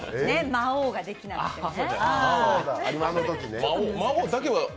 魔王ができなくてね。